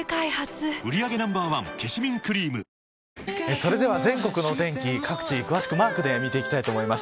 それでは全国のお天気、各地詳しくマークで見ていきます。